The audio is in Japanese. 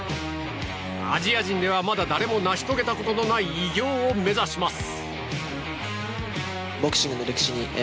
アジア人ではまだ誰も成し遂げたことのない偉業を目指します。